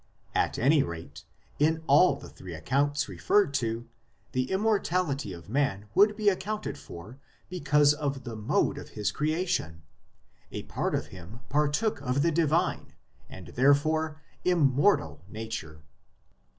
At any rate, in all the three accounts referred to the immortality of man would be accounted for because of the mode of his creation ; a part of him partook of the divine, and therefore immortal, nature.